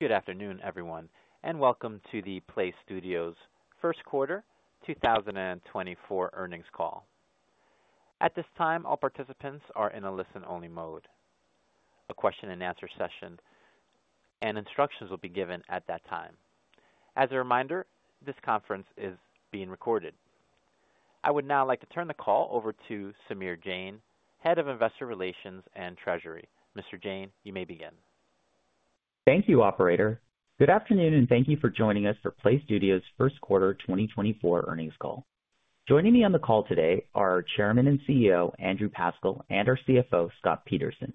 Good afternoon, everyone, and welcome to the PLAYSTUDIOS first quarter 2024 earnings call. At this time, all participants are in a listen-only mode. A question-and-answer session and instructions will be given at that time. As a reminder, this conference is being recorded. I would now like to turn the call over to Samir Jain, Head of Investor Relations and Treasury. Mr. Jain, you may begin. Thank you, operator. Good afternoon, and thank you for joining us for PLAYSTUDIOS' first quarter 2024 earnings call. Joining me on the call today are our Chairman and CEO, Andrew Pascal, and our CFO, Scott Peterson.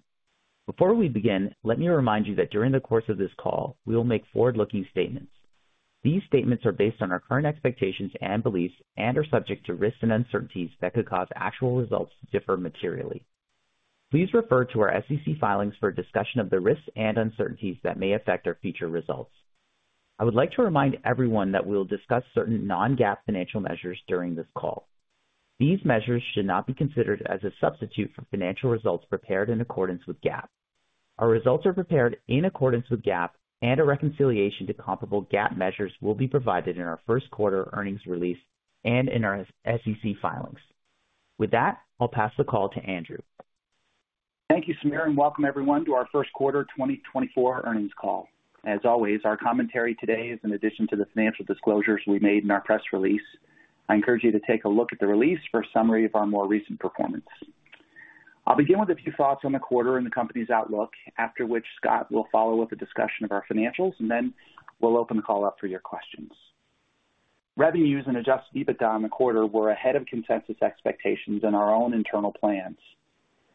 Before we begin, let me remind you that during the course of this call, we will make forward-looking statements. These statements are based on our current expectations and beliefs and are subject to risks and uncertainties that could cause actual results to differ materially. Please refer to our SEC filings for a discussion of the risks and uncertainties that may affect our future results. I would like to remind everyone that we'll discuss certain non-GAAP financial measures during this call. These measures should not be considered as a substitute for financial results prepared in accordance with GAAP. Our results are prepared in accordance with GAAP, and a reconciliation to comparable GAAP measures will be provided in our first quarter earnings release and in our SEC filings. With that, I'll pass the call to Andrew. Thank you, Samir, and welcome everyone to our first quarter 2024 earnings call. As always, our commentary today is in addition to the financial disclosures we made in our press release. I encourage you to take a look at the release for a summary of our more recent performance. I'll begin with a few thoughts on the quarter and the company's outlook, after which Scott will follow with a discussion of our financials, and then we'll open the call up for your questions. Revenues and Adjusted EBITDA in the quarter were ahead of consensus expectations and our own internal plans.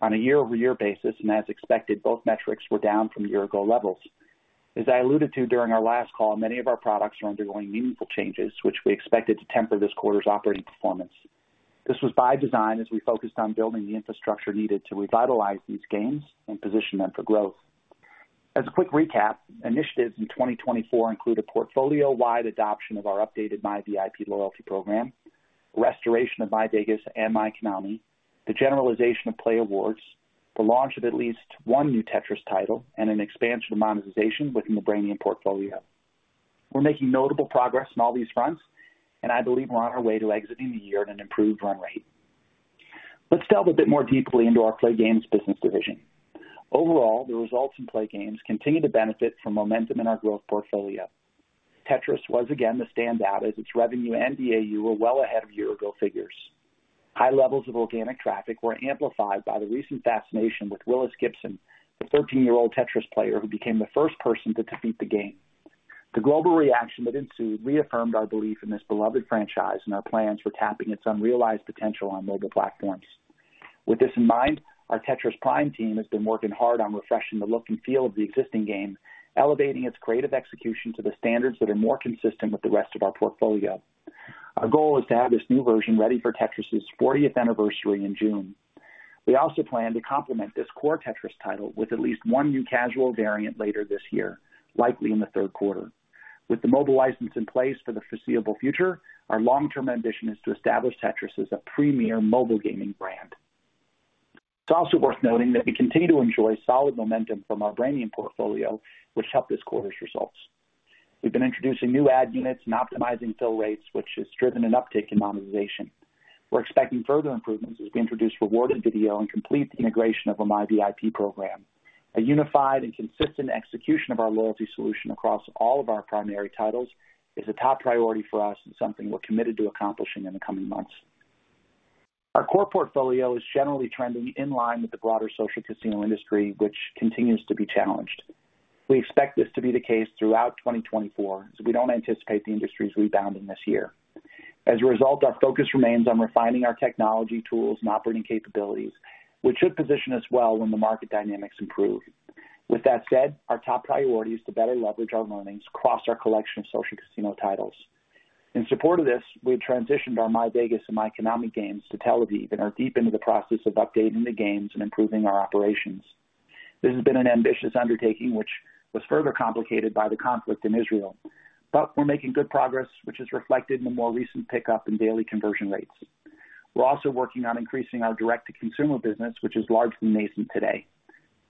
On a year-over-year basis, and as expected, both metrics were down from a year-ago levels. As I alluded to during our last call, many of our products are undergoing meaningful changes, which we expected to temper this quarter's operating performance. This was by design, as we focused on building the infrastructure needed to revitalize these games and position them for growth. As a quick recap, initiatives in 2024 include a portfolio-wide adoption of our updated myVIP loyalty program, restoration of myVEGAS and myKONAMI, the generalization of playAWARDS, the launch of at least one new Tetris title, and an expansion of monetization within the Brainium portfolio. We're making notable progress on all these fronts, and I believe we're on our way to exiting the year at an improved run rate. Let's delve a bit more deeply into our playGAMES business division. Overall, the results in playGAMES continue to benefit from momentum in our growth portfolio. Tetris was again the standout, as its revenue and DAU were well ahead of year-ago figures. High levels of organic traffic were amplified by the recent fascination with Willis Gibson, the thirteen-year-old Tetris player who became the first person to defeat the game. The global reaction that ensued reaffirmed our belief in this beloved franchise and our plans for tapping its unrealized potential on mobile platforms. With this in mind, our Tetris Prime team has been working hard on refreshing the look and feel of the existing game, elevating its creative execution to the standards that are more consistent with the rest of our portfolio. Our goal is to have this new version ready for Tetris' fortieth anniversary in June. We also plan to complement this core Tetris title with at least one new casual variant later this year, likely in the third quarter. With the mobile license in place for the foreseeable future, our long-term ambition is to establish Tetris as a premier mobile gaming brand. It's also worth noting that we continue to enjoy solid momentum from our Brainium portfolio, which helped this quarter's results. We've been introducing new ad units and optimizing fill rates, which has driven an uptick in monetization. We're expecting further improvements as we introduce rewarded video and complete the integration of a myVIP program. A unified and consistent execution of our loyalty solution across all of our primary titles is a top priority for us and something we're committed to accomplishing in the coming months. Our core portfolio is generally trending in line with the broader social casino industry, which continues to be challenged. We expect this to be the case throughout 2024, as we don't anticipate the industry's rebounding this year. As a result, our focus remains on refining our technology tools and operating capabilities, which should position us well when the market dynamics improve. With that said, our top priority is to better leverage our learnings across our collection of social casino titles. In support of this, we've transitioned our myVEGAS and myKONAMI games to Tel Aviv and are deep into the process of updating the games and improving our operations. This has been an ambitious undertaking, which was further complicated by the conflict in Israel, but we're making good progress, which is reflected in the more recent pickup in daily conversion rates. We're also working on increasing our direct-to-consumer business, which is largely nascent today.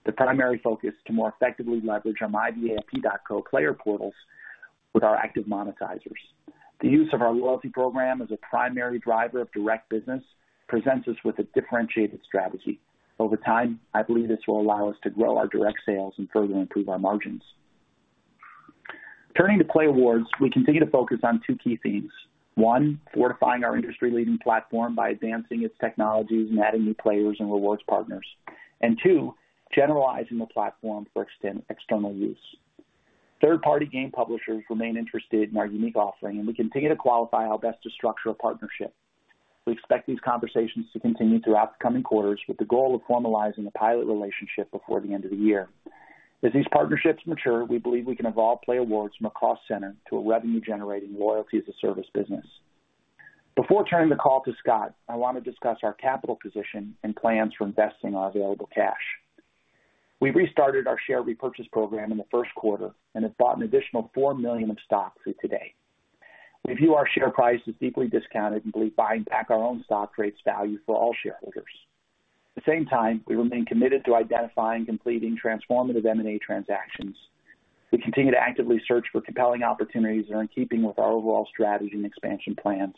The primary focus to more effectively leverage our myvip.co player portals with our active monetizers. The use of our loyalty program as a primary driver of direct business presents us with a differentiated strategy. Over time, I believe this will allow us to grow our direct sales and further improve our margins. Turning to playAWARDS, we continue to focus on two key themes. One, fortifying our industry-leading platform by advancing its technologies and adding new players and rewards partners. And two, generalizing the platform for external use. Third-party game publishers remain interested in our unique offering, and we continue to qualify how best to structure a partnership. We expect these conversations to continue throughout the coming quarters, with the goal of formalizing a pilot relationship before the end of the year. As these partnerships mature, we believe we can evolve playAWARDS from a cost center to a revenue-generating loyalty-as-a-service business. Before turning the call to Scott, I want to discuss our capital position and plans for investing our available cash. We restarted our share repurchase program in the first quarter and have bought an additional 4 million of stock through today. We view our share price as deeply discounted and believe buying back our own stock creates value for all shareholders. At the same time, we remain committed to identifying and completing transformative M&A transactions. We continue to actively search for compelling opportunities that are in keeping with our overall strategy and expansion plans.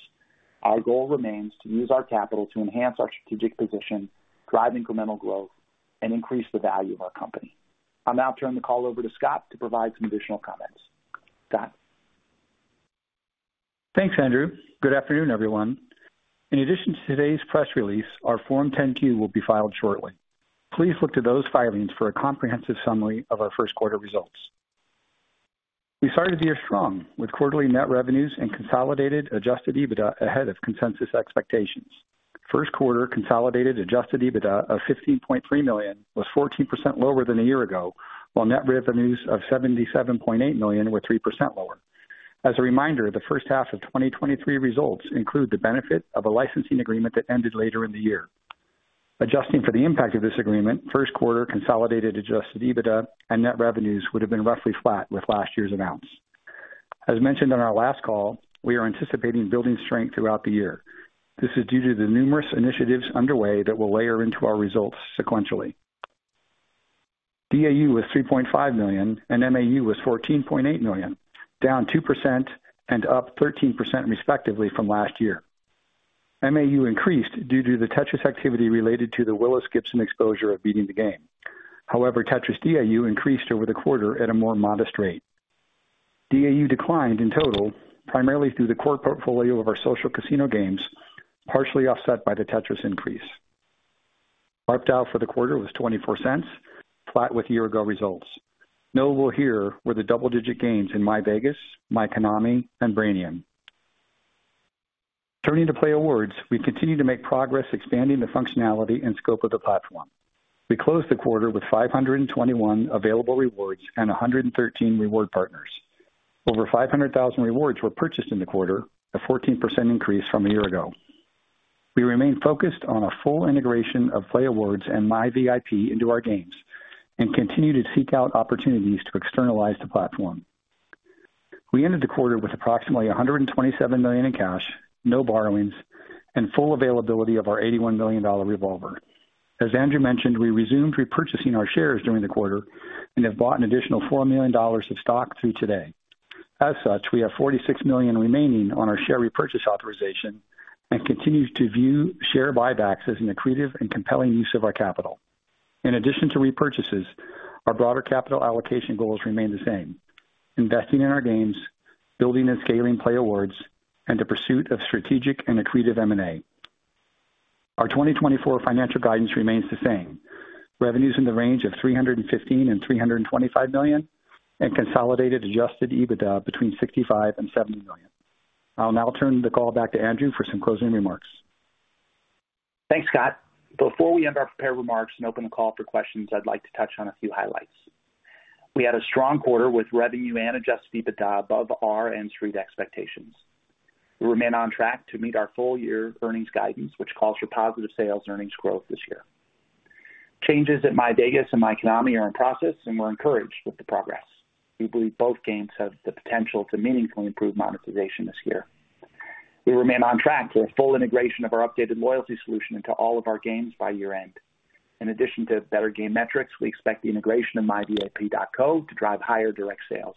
Our goal remains to use our capital to enhance our strategic position, drive incremental growth, and increase the value of our company. I'll now turn the call over to Scott to provide some additional comments. Scott? Thanks, Andrew. Good afternoon, everyone. In addition to today's press release, our Form 10-Q will be filed shortly. Please look to those filings for a comprehensive summary of our first quarter results. We started the year strong, with quarterly net revenues and consolidated Adjusted EBITDA ahead of consensus expectations. First quarter consolidated Adjusted EBITDA of $15.3 million was 14% lower than a year ago, while net revenues of $77.8 million were 3% lower. As a reminder, the first half of 2023 results include the benefit of a licensing agreement that ended later in the year. Adjusting for the impact of this agreement, first quarter consolidated Adjusted EBITDA and net revenues would have been roughly flat with last year's amounts. As mentioned on our last call, we are anticipating building strength throughout the year. This is due to the numerous initiatives underway that will layer into our results sequentially. DAU was 3.5 million, and MAU was 14.8 million, down 2% and up 13% respectively from last year. MAU increased due to the Tetris activity related to the Willis Gibson exposure of beating the game. However, Tetris DAU increased over the quarter at a more modest rate. DAU declined in total, primarily through the core portfolio of our social casino games, partially offset by the Tetris increase. ARPDAU for the quarter was $0.24, flat with year-ago results. Notable here were the double-digit gains in myVEGAS, myKONAMI, and Brainium. Turning to playAWARDS, we continue to make progress expanding the functionality and scope of the platform. We closed the quarter with 521 available rewards and 113 reward partners. Over 500,000 rewards were purchased in the quarter, a 14% increase from a year ago. We remain focused on a full integration of playAWARDS and myVIP into our games and continue to seek out opportunities to externalize the platform. We ended the quarter with approximately $127 million in cash, no borrowings, and full availability of our $81 million revolver. As Andrew mentioned, we resumed repurchasing our shares during the quarter and have bought an additional $4 million of stock through today. As such, we have $46 million remaining on our share repurchase authorization and continue to view share buybacks as an accretive and compelling use of our capital. In addition to repurchases, our broader capital allocation goals remain the same: investing in our games, building and scaling playAWARDS, and the pursuit of strategic and accretive M&A. Our 2024 financial guidance remains the same. Revenues in the range of $315 million-$325 million, and consolidated Adjusted EBITDA between $65 million-$70 million. I'll now turn the call back to Andrew for some closing remarks. Thanks, Scott. Before we end our prepared remarks and open the call for questions, I'd like to touch on a few highlights. We had a strong quarter with revenue and Adjusted EBITDA above our and Street expectations. We remain on track to meet our full-year earnings guidance, which calls for positive sales earnings growth this year. Changes at myVEGAS and myKONAMI are in process, and we're encouraged with the progress. We believe both games have the potential to meaningfully improve monetization this year. We remain on track for a full integration of our updated loyalty solution into all of our games by year-end. In addition to better game metrics, we expect the integration of myvip.co to drive higher direct sales.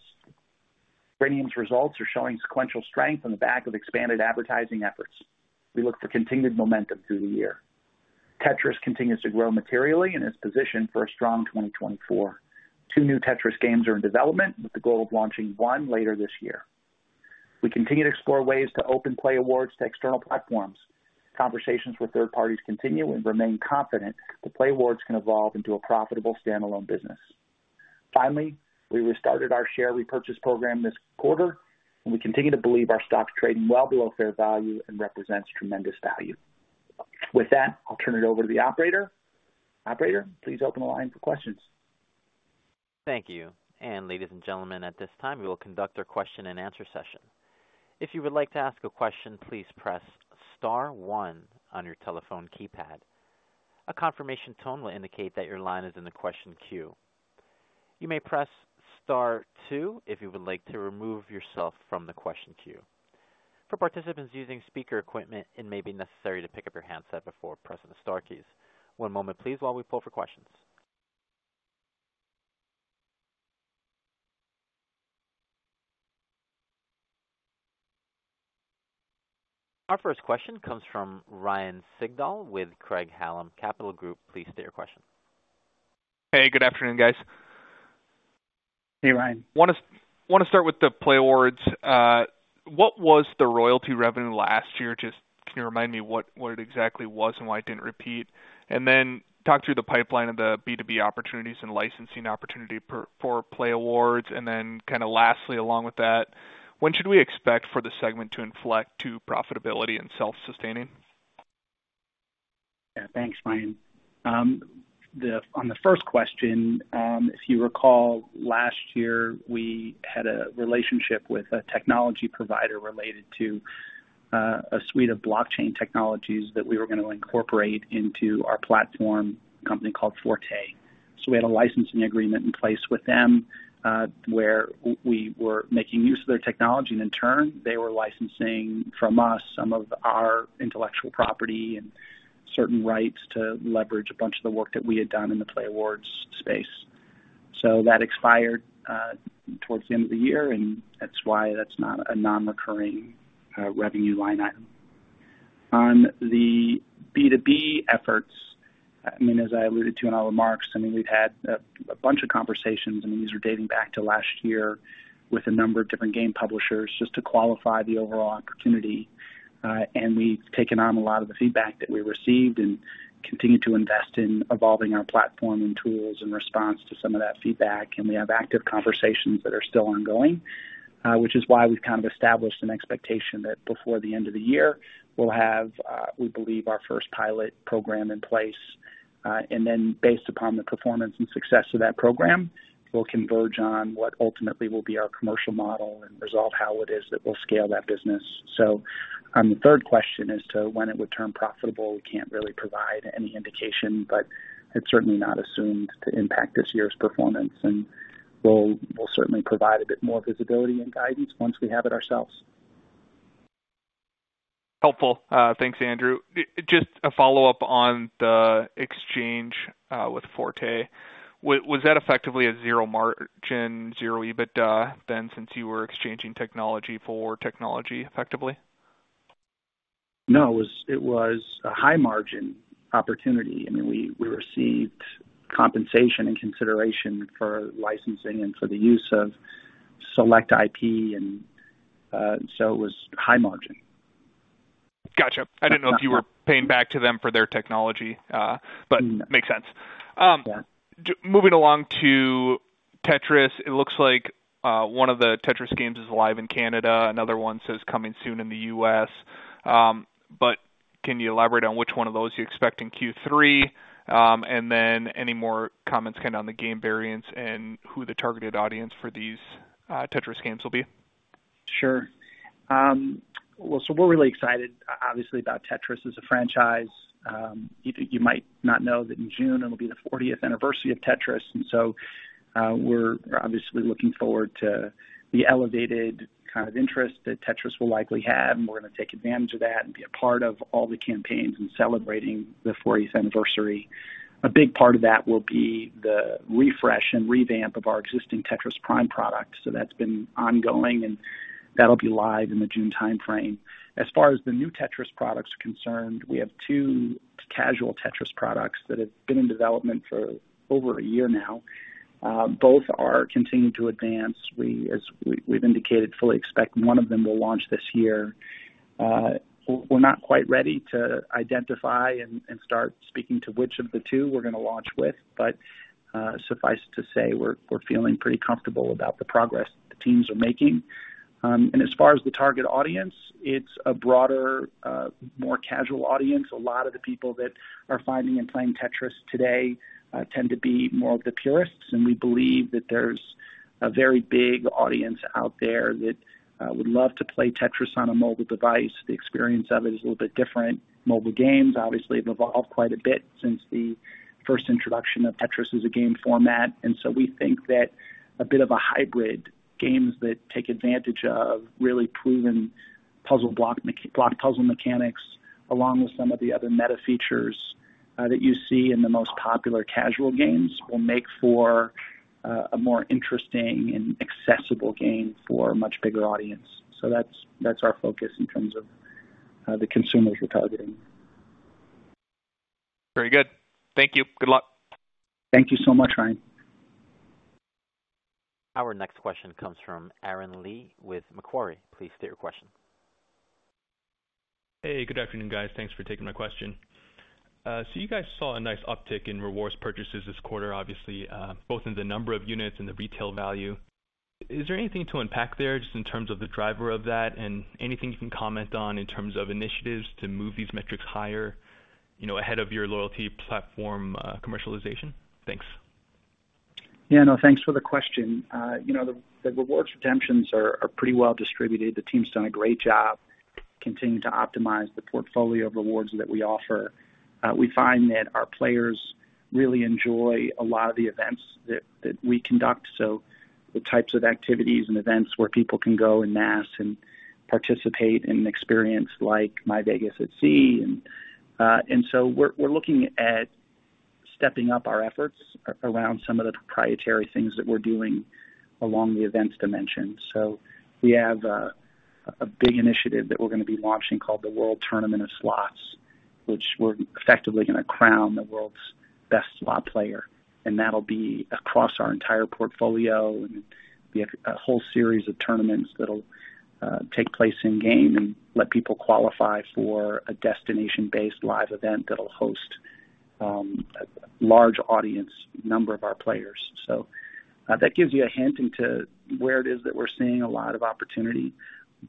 Brainium's results are showing sequential strength on the back of expanded advertising efforts. We look for continued momentum through the year. Tetris continues to grow materially and is positioned for a strong 2024. Two new Tetris games are in development, with the goal of launching one later this year. We continue to explore ways to open playAWARDS to external platforms. Conversations with third parties continue and remain confident that playAWARDS can evolve into a profitable standalone business. Finally, we restarted our share repurchase program this quarter, and we continue to believe our stock is trading well below fair value and represents tremendous value. With that, I'll turn it over to the operator. Operator, please open the line for questions. Thank you. Ladies and gentlemen, at this time, we will conduct our question-and-answer session. If you would like to ask a question, please press star one on your telephone keypad. A confirmation tone will indicate that your line is in the question queue. You may press star two if you would like to remove yourself from the question queue. For participants using speaker equipment, it may be necessary to pick up your handset before pressing the star keys. One moment, please, while we pull for questions. Our first question comes from Ryan Sigdahl with Craig-Hallum Capital Group. Please state your question. Hey, good afternoon, guys. Hey, Ryan. Want to start with the playAWARDS. What was the royalty revenue last year? Just can you remind me what it exactly was and why it didn't repeat? And then talk through the pipeline of the B2B opportunities and licensing opportunity for playAWARDS. And then kinda lastly, along with that, when should we expect for the segment to inflect to profitability and self-sustaining? Yeah. Thanks, Ryan. On the first question, if you recall, last year, we had a relationship with a technology provider related to a suite of blockchain technologies that we were going to incorporate into our platform company called Forte. So we had a licensing agreement in place with them, where we were making use of their technology. In turn, they were licensing from us some of our intellectual property and certain rights to leverage a bunch of the work that we had done in the playAWARDS space. So that expired towards the end of the year, and that's why that's not a non-recurring revenue line item. On the B2B efforts, I mean, as I alluded to in our remarks, I mean, we've had a bunch of conversations, and these are dating back to last year with a number of different game publishers just to qualify the overall opportunity. And we've taken on a lot of the feedback that we received and continued to invest in evolving our platform and tools in response to some of that feedback. And we have active conversations that are still ongoing, which is why we've kind of established an expectation that before the end of the year, we'll have, we believe, our first pilot program in place. And then based upon the performance and success of that program, we'll converge on what ultimately will be our commercial model and resolve how it is that we'll scale that business. On the third question as to when it would turn profitable, we can't really provide any indication, but it's certainly not assumed to impact this year's performance, and we'll certainly provide a bit more visibility and guidance once we have it ourselves. Helpful. Thanks, Andrew. Just a follow-up on the exchange with Forte. Was that effectively a zero margin, zero EBITDA then, since you were exchanging technology for technology effectively? No, it was a high-margin opportunity. I mean, we received compensation and consideration for licensing and for the use of select IP, and so it was high-margin. Gotcha. I didn't know if you were paying back to them for their technology, but- No. Makes sense. Yeah. Moving along to Tetris, it looks like one of the Tetris games is live in Canada. Another one says, "Coming soon in the U.S." But can you elaborate on which one of those you expect in Q3? And then any more comments kind of on the game variants and who the targeted audience for these Tetris games will be? Sure. Well, so we're really excited obviously about Tetris as a franchise. You, you might not know that in June, it'll be the fortieth anniversary of Tetris, and so, we're obviously looking forward to the elevated kind of interest that Tetris will likely have, and we're going to take advantage of that and be a part of all the campaigns in celebrating the fortieth anniversary. A big part of that will be the refresh and revamp of our existing Tetris Prime product. So that's been ongoing, and that'll be live in the June timeframe. As far as the new Tetris products are concerned, we have two casual Tetris products that have been in development for over a year now. Both are continuing to advance. We, as we've indicated, fully expect one of them will launch this year. We're not quite ready to identify and start speaking to which of the two we're going to launch with, but suffice to say, we're feeling pretty comfortable about the progress the teams are making. As far as the target audience, it's a broader, more casual audience. A lot of the people that are finding and playing Tetris today tend to be more of the purists, and we believe that there's a very big audience out there that would love to play Tetris on a mobile device. The experience of it is a little bit different. Mobile games, obviously, have evolved quite a bit since the first introduction of Tetris as a game format, and so we think that a bit of a hybrid games that take advantage of really proven puzzle block mechanics, along with some of the other meta features, that you see in the most popular casual games, will make for a more interesting and accessible game for a much bigger audience. So that's our focus in terms of the consumers we're targeting. Very good. Thank you. Good luck. Thank you so much, Ryan. Our next question comes from Aaron Lee with Macquarie. Please state your question. Hey, good afternoon, guys. Thanks for taking my question. So you guys saw a nice uptick in rewards purchases this quarter, obviously, both in the number of units and the retail value. Is there anything to unpack there just in terms of the driver of that? And anything you can comment on in terms of initiatives to move these metrics higher, you know, ahead of your loyalty platform commercialization? Thanks. Yeah, no, thanks for the question. You know, the rewards redemptions are pretty well distributed. The team's done a great job continuing to optimize the portfolio of rewards that we offer. We find that our players really enjoy a lot of the events that we conduct, so the types of activities and events where people can go en masse and participate in an experience like myVEGAS at Sea. And so we're looking at stepping up our efforts around some of the proprietary things that we're doing along the events dimension. So we have a big initiative that we're going to be launching called the World Tournament of Slots, which we're effectively going to crown the world's best slot player, and that'll be across our entire portfolio, and be a whole series of tournaments that'll take place in-game and let people qualify for a destination-based live event that'll host a large audience number of our players. So that gives you a hint into where it is that we're seeing a lot of opportunity.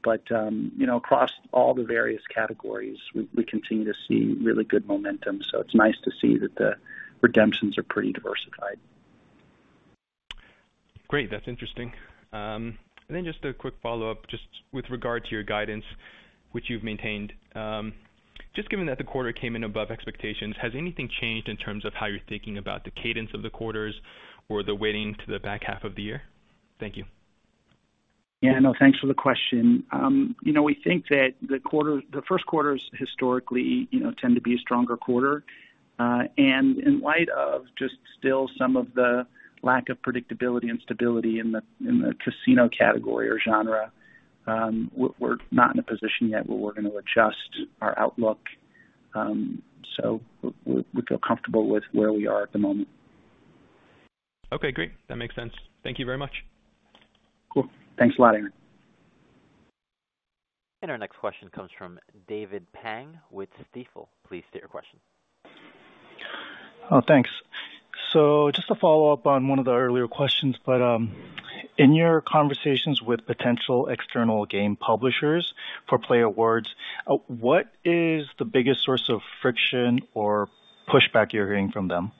But you know, across all the various categories, we continue to see really good momentum, so it's nice to see that the redemptions are pretty diversified.... Great, that's interesting. And then just a quick follow-up, just with regard to your guidance, which you've maintained. Just given that the quarter came in above expectations, has anything changed in terms of how you're thinking about the cadence of the quarters or the weighting to the back half of the year? Thank you. Yeah, no, thanks for the question. You know, we think that the quarter—the first quarters historically, you know, tend to be a stronger quarter. And in light of just still some of the lack of predictability and stability in the casino category or genre, we're not in a position yet where we're going to adjust our outlook. So we feel comfortable with where we are at the moment. Okay, great. That makes sense. Thank you very much. Cool. Thanks a lot, Aaron. Our next question comes from David Pang with Stifel. Please state your question. Thanks. So just to follow up on one of the earlier questions, but, in your conversations with potential external game publishers for playAWARDS, what is the biggest source of friction or pushback you're hearing from them?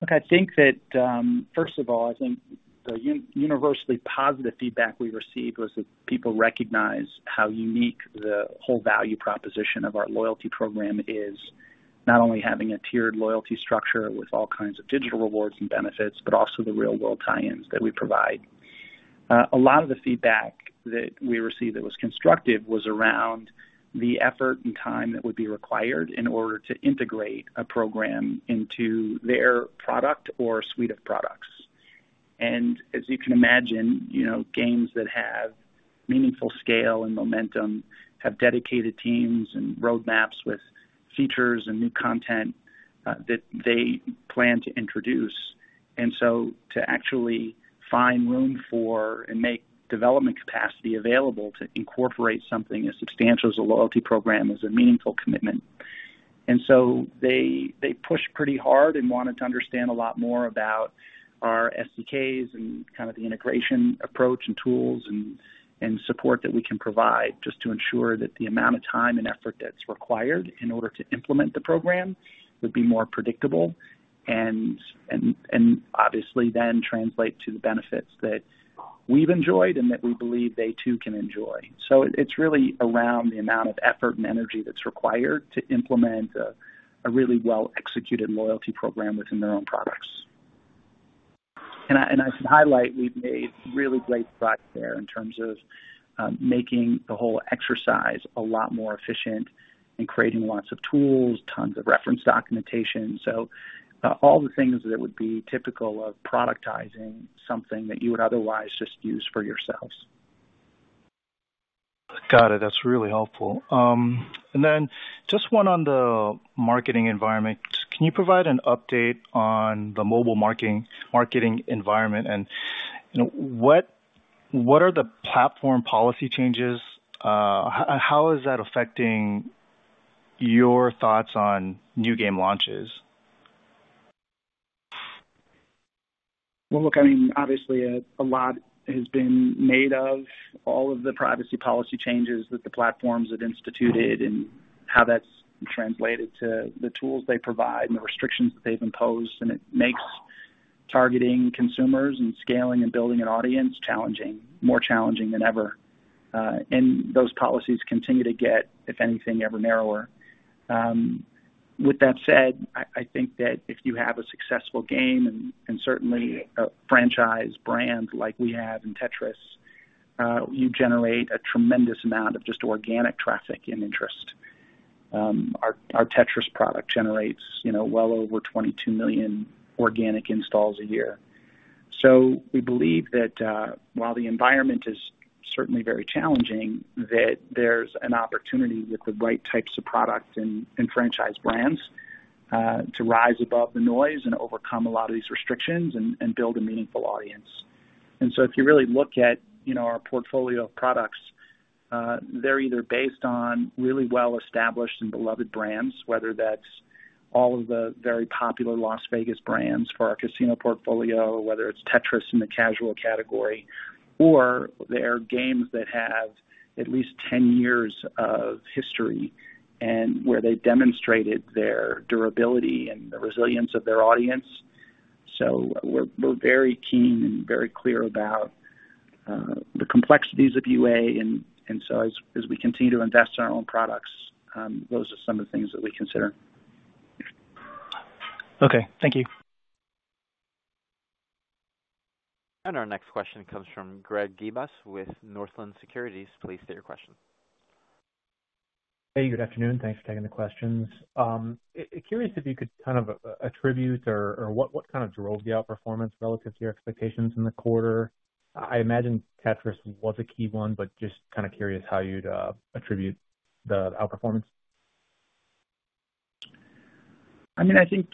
Look, I think that, first of all, I think the universally positive feedback we received was that people recognize how unique the whole value proposition of our loyalty program is, not only having a tiered loyalty structure with all kinds of digital rewards and benefits, but also the real-world tie-ins that we provide. A lot of the feedback that we received that was constructive was around the effort and time that would be required in order to integrate a program into their product or suite of products. And as you can imagine, you know, games that have meaningful scale and momentum have dedicated teams and roadmaps with features and new content that they plan to introduce. And so to actually find room for and make development capacity available to incorporate something as substantial as a loyalty program is a meaningful commitment. And so they pushed pretty hard and wanted to understand a lot more about our SDKs and kind of the integration approach and tools and support that we can provide, just to ensure that the amount of time and effort that's required in order to implement the program would be more predictable, and obviously then translate to the benefits that we've enjoyed and that we believe they too can enjoy. So it's really around the amount of effort and energy that's required to implement a really well-executed loyalty program within their own products. And I should highlight, we've made really great progress there in terms of making the whole exercise a lot more efficient and creating lots of tools, tons of reference documentation. So, all the things that would be typical of productizing something that you would otherwise just use for yourselves. Got it. That's really helpful. And then just one on the marketing environment. Can you provide an update on the mobile marketing, marketing environment? And, you know, what are the platform policy changes? How is that affecting your thoughts on new game launches? Well, look, I mean, obviously, a lot has been made of all of the privacy policy changes that the platforms have instituted and how that's translated to the tools they provide and the restrictions that they've imposed. And it makes targeting consumers and scaling and building an audience challenging, more challenging than ever. And those policies continue to get, if anything, ever narrower. With that said, I think that if you have a successful game and certainly a franchise brand like we have in Tetris, you generate a tremendous amount of just organic traffic and interest. Our Tetris product generates, you know, well over 22 million organic installs a year. So we believe that, while the environment is certainly very challenging, that there's an opportunity with the right types of products and franchise brands to rise above the noise and overcome a lot of these restrictions and build a meaningful audience. And so if you really look at, you know, our portfolio of products, they're either based on really well-established and beloved brands, whether that's all of the very popular Las Vegas brands for our casino portfolio, whether it's Tetris in the casual category, or they are games that have at least 10 years of history and where they demonstrated their durability and the resilience of their audience. So we're very keen and very clear about the complexities of UA, and so as we continue to invest in our own products, those are some of the things that we consider. Okay, thank you. Our next question comes from Greg Gibas with Northland Securities. Please state your question. Hey, good afternoon. Thanks for taking the questions. Curious if you could kind of attribute or what kind of drove the outperformance relative to your expectations in the quarter? I imagine Tetris was a key one, but just kind of curious how you'd attribute the outperformance. I mean, I think,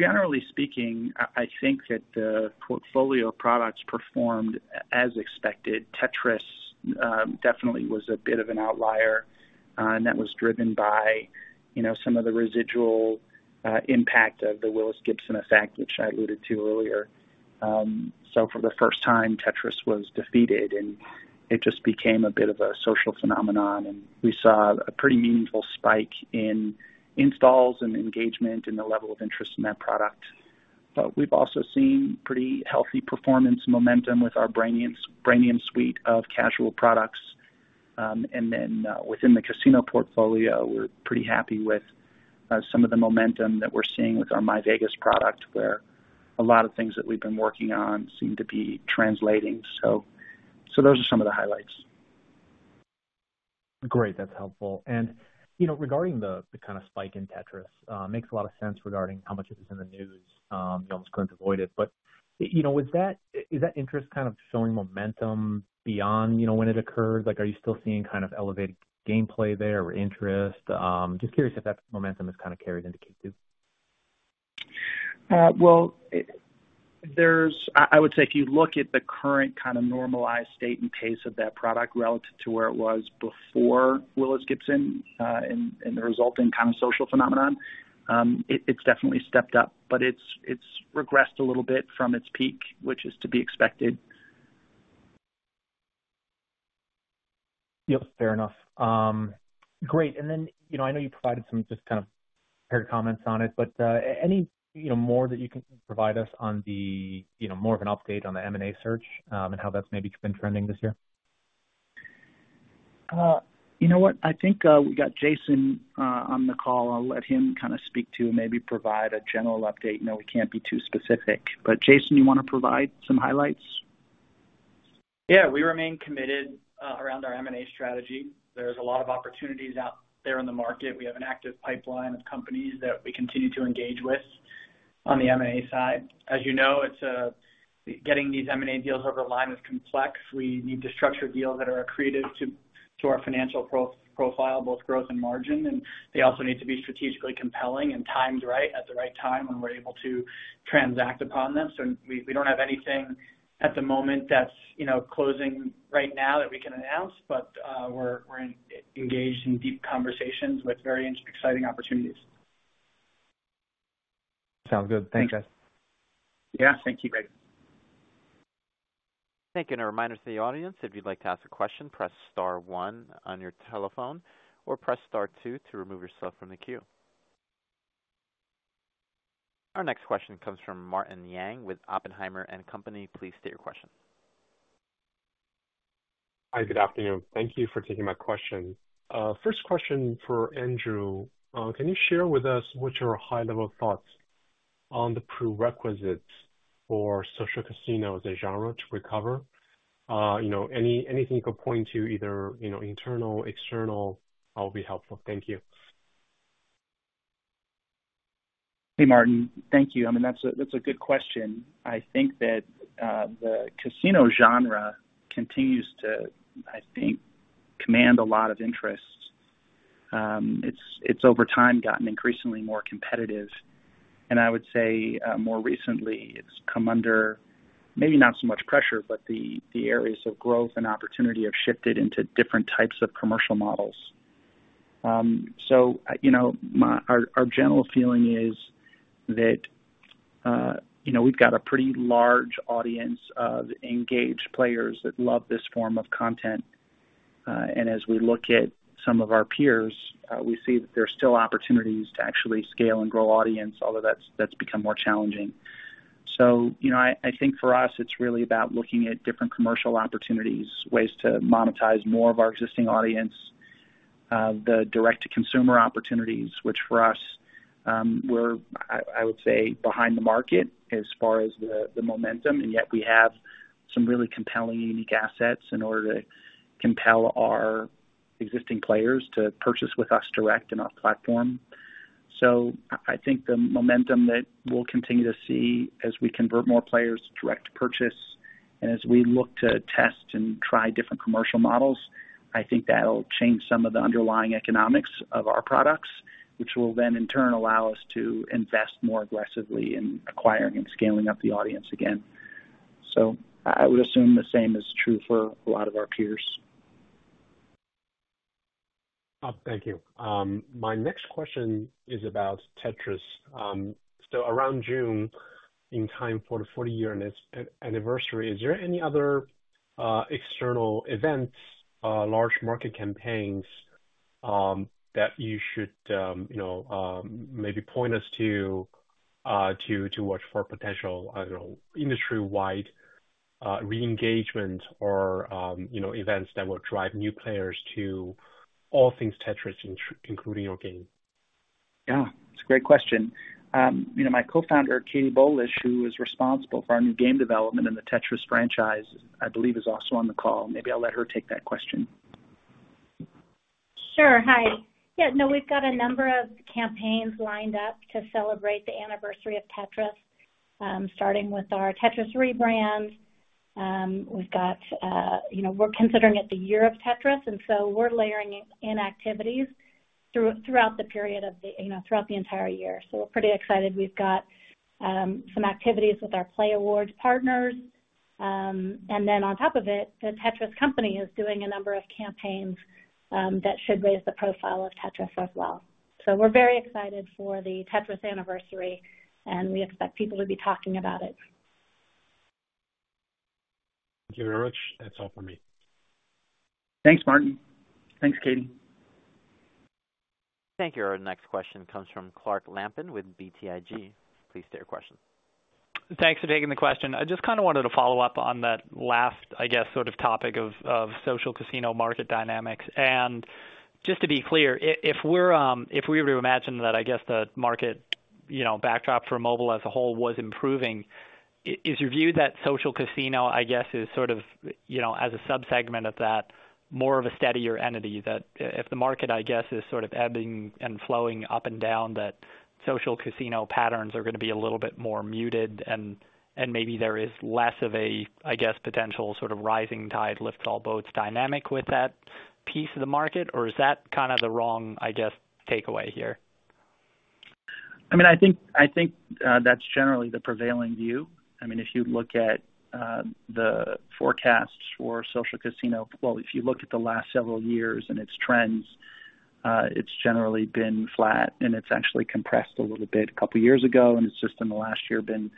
generally speaking, I think that the portfolio of products performed as expected. Tetris definitely was a bit of an outlier, and that was driven by, you know, some of the residual impact of the Willis Gibson effect, which I alluded to earlier. So for the first time, Tetris was defeated, and it just became a bit of a social phenomenon, and we saw a pretty meaningful spike in installs and engagement and the level of interest in that product. But we've also seen pretty healthy performance momentum with our Brainium suite of casual products. And then within the casino portfolio, we're pretty happy with some of the momentum that we're seeing with our myVEGAS product, where a lot of things that we've been working on seem to be translating. So, those are some of the highlights. Great, that's helpful. You know, regarding the kind of spike in Tetris, makes a lot of sense regarding how much it is in the news. You almost couldn't avoid it, but, you know, is that interest kind of showing momentum beyond, you know, when it occurred? Like, are you still seeing kind of elevated gameplay there or interest? Just curious if that momentum has kind of carried into Q2. Well, I would say, if you look at the current kind of normalized state and pace of that product relative to where it was before Willis Gibson and the resulting kind of social phenomenon, it's definitely stepped up, but it's regressed a little bit from its peak, which is to be expected. Yep, fair enough. Great. And then, you know, I know you provided some just kind of prepared comments on it, but any, you know, more that you can provide us on the, you know, more of an update on the M&A search, and how that's maybe been trending this year? You know what? I think we got Jason on the call. I'll let him kind of speak to maybe provide a general update. You know, we can't be too specific. But Jason, you want to provide some highlights? Yeah. We remain committed around our M&A strategy. There's a lot of opportunities out there in the market. We have an active pipeline of companies that we continue to engage with on the M&A side. As you know, it's getting these M&A deals over the line is complex. We need to structure deals that are accretive to, to our financial pro-profile, both growth and margin, and they also need to be strategically compelling and timed right at the right time, when we're able to transact upon them. So we, we don't have anything at the moment that's, you know, closing right now that we can announce, but we're, we're engaged in deep conversations with very exciting opportunities. Sounds good. Thanks, guys. Yeah. Thank you, Greg. Thank you. A reminder to the audience, if you'd like to ask a question, press star one on your telephone, or press star two to remove yourself from the queue. Our next question comes from Martin Yang with Oppenheimer and Company. Please state your question. Hi, good afternoon. Thank you for taking my question. First question for Andrew. Can you share with us what your high-level thoughts on the prerequisites for social casino as a genre to recover? You know, anything you could point to, either, you know, internal, external, that will be helpful. Thank you. Hey, Martin. Thank you. I mean, that's a good question. I think that the casino genre continues to, I think, command a lot of interest. It's over time gotten increasingly more competitive, and I would say more recently, it's come under maybe not so much pressure, but the areas of growth and opportunity have shifted into different types of commercial models. So, you know, our general feeling is that you know, we've got a pretty large audience of engaged players that love this form of content. And as we look at some of our peers, we see that there are still opportunities to actually scale and grow audience, although that's become more challenging. So, you know, I think for us, it's really about looking at different commercial opportunities, ways to monetize more of our existing audience, the direct-to-consumer opportunities, which for us, we're, I would say, behind the market as far as the momentum, and yet we have some really compelling, unique assets in order to compel our existing players to purchase with us direct in our platform. So I think the momentum that we'll continue to see as we convert more players to direct purchase and as we look to test and try different commercial models, I think that'll change some of the underlying economics of our products, which will then, in turn, allow us to invest more aggressively in acquiring and scaling up the audience again. So I would assume the same is true for a lot of our peers. Thank you. My next question is about Tetris. So around June, in time for the 40-year anniversary, is there any other external events, large market campaigns, that you should, you know, maybe point us to, to watch for potential, you know, industry-wide reengagement or, you know, events that will drive new players to all things Tetris, including your game? Yeah, it's a great question. You know, my co-founder, Katie Bolich, who is responsible for our new game development and the Tetris franchise, I believe, is also on the call. Maybe I'll let her take that question. Sure. Hi. Yeah, no, we've got a number of campaigns lined up to celebrate the anniversary of Tetris. Starting with our Tetris rebrand. We've got, you know, we're considering it the year of Tetris, and so we're layering in activities throughout the period of the, you know, throughout the entire year. So we're pretty excited. We've got some activities with our playAWARDS partners. And then on top of it, the Tetris Company is doing a number of campaigns that should raise the profile of Tetris as well. So we're very excited for the Tetris anniversary, and we expect people to be talking about it for-... Thank you very much. That's all for me. Thanks, Martin. Thanks, Katie. Thank you. Our next question comes from Clark Lampen with BTIG. Please state your question. Thanks for taking the question. I just kind of wanted to follow up on that last, I guess, sort of topic of social casino market dynamics. And just to be clear, if we're, if we were to imagine that, I guess, the market, you know, backdrop for mobile as a whole was improving, is your view that social casino, I guess, is sort of, you know, as a subsegment of that, more of a steadier entity, that if the market, I guess, is sort of ebbing and flowing up and down, that social casino patterns are going to be a little bit more muted, and maybe there is less of a, I guess, potential sort of rising tide lifts all boats dynamic with that piece of the market? Or is that kind of the wrong, I guess, takeaway here? I mean, I think that's generally the prevailing view. I mean, if you look at the forecasts for social casino—well, if you look at the last several years and its trends, it's generally been flat, and it's actually compressed a little bit a couple years ago, and it's just in the last year been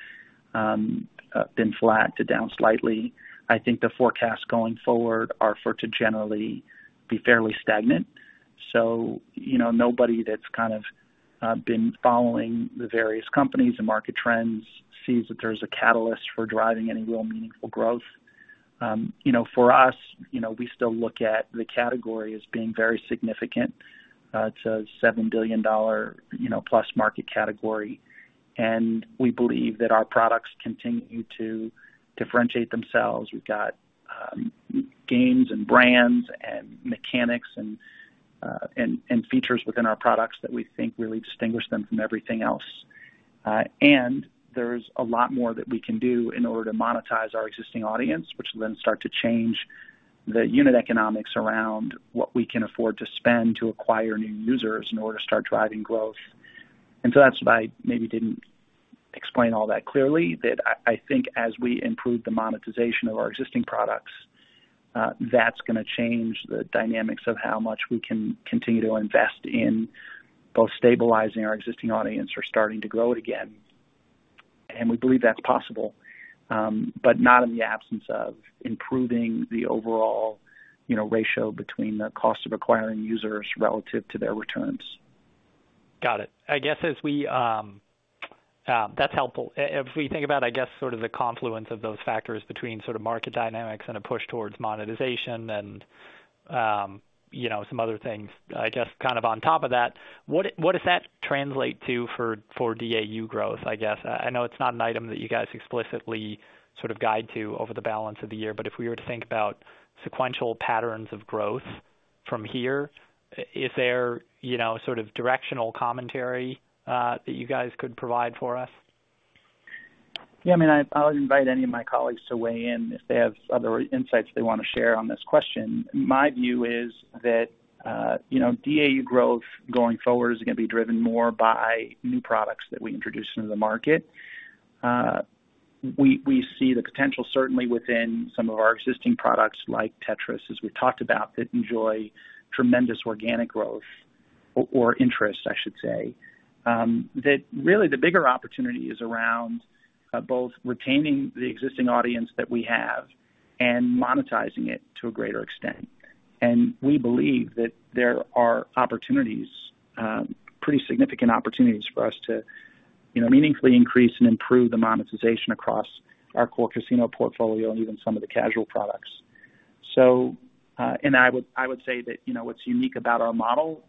flat to down slightly. I think the forecasts going forward are for it to generally be fairly stagnant. So, you know, nobody that's kind of been following the various companies and market trends sees that there's a catalyst for driving any real meaningful growth. You know, for us, you know, we still look at the category as being very significant. It's a $7 billion-plus market category, and we believe that our products continue to differentiate themselves. We've got games and brands and mechanics and features within our products that we think really distinguish them from everything else. And there's a lot more that we can do in order to monetize our existing audience, which will then start to change the unit economics around what we can afford to spend to acquire new users in order to start driving growth. And so that's why maybe didn't explain all that clearly, that I think as we improve the monetization of our existing products, that's going to change the dynamics of how much we can continue to invest in both stabilizing our existing audience or starting to grow it again. And we believe that's possible, but not in the absence of improving the overall, you know, ratio between the cost of acquiring users relative to their returns. Got it. I guess, as we, that's helpful. If we think about, I guess, sort of the confluence of those factors between sort of market dynamics and a push towards monetization and, you know, some other things, I guess, kind of on top of that, what, what does that translate to for, for DAU growth, I guess? I, I know it's not an item that you guys explicitly sort of guide to over the balance of the year, but if we were to think about sequential patterns of growth from here, is there, you know, sort of directional commentary, that you guys could provide for us? Yeah, I mean, I'll invite any of my colleagues to weigh in if they have other insights they want to share on this question. My view is that, you know, DAU growth going forward is going to be driven more by new products that we introduce into the market. We see the potential, certainly within some of our existing products like Tetris, as we've talked about, that enjoy tremendous organic growth or interest, I should say. That really the bigger opportunity is around both retaining the existing audience that we have and monetizing it to a greater extent. And we believe that there are opportunities, pretty significant opportunities for us to, you know, meaningfully increase and improve the monetization across our core casino portfolio and even some of the casual products. I would say that, you know, what's unique about our model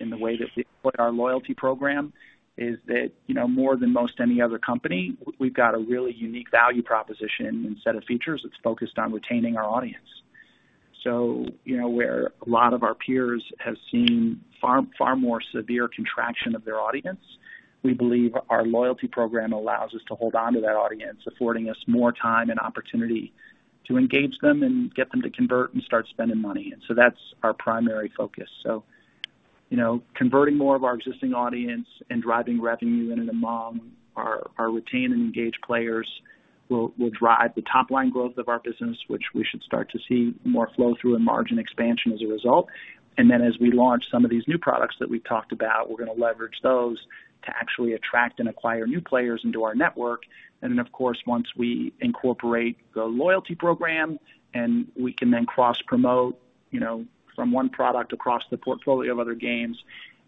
and the way that we put our loyalty program is that, you know, more than most any other company, we've got a really unique value proposition and set of features that's focused on retaining our audience. So, you know, where a lot of our peers have seen far, far more severe contraction of their audience, we believe our loyalty program allows us to hold on to that audience, affording us more time and opportunity to engage them and get them to convert and start spending money. And so that's our primary focus. So, you know, converting more of our existing audience and driving revenue in and among our retained and engaged players will drive the top line growth of our business, which we should start to see more flow through and margin expansion as a result. And then, as we launch some of these new products that we've talked about, we're going to leverage those to actually attract and acquire new players into our network. And then, of course, once we incorporate the loyalty program and we can then cross-promote, you know, from one product across the portfolio of other games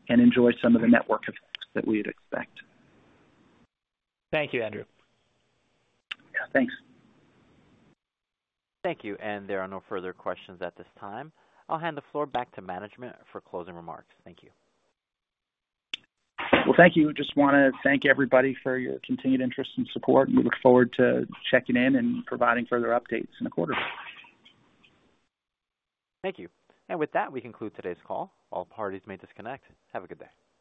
and enjoy some of the network effects that we'd expect. Thank you, Andrew. Yeah, thanks. Thank you. There are no further questions at this time. I'll hand the floor back to management for closing remarks. Thank you. Well, thank you. Just want to thank everybody for your continued interest and support, and we look forward to checking in and providing further updates in a quarter. Thank you. With that, we conclude today's call. All parties may disconnect. Have a good day.